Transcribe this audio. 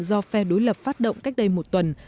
do phe đối lập phát động cách đây một tuần